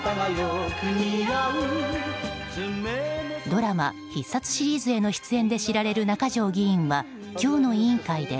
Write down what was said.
ドラマ「必殺」シリーズへの出演で知られる中条議員は、今日の委員会で